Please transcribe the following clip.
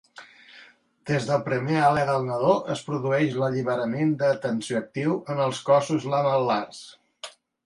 Des del primer alè del nadó es produeix l'alliberament de tensioactiu en els cossos lamel·lars.